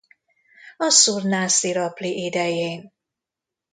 Assur-nászir-apli idején.